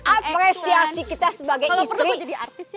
apresiasi kita sebagai istri